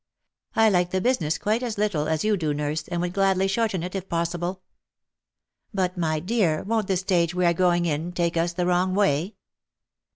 I like the business quite as little as you do, nurse, and would gladly shorten it, if possible." " But, my dear, won't the stage we are going in take us the wrong way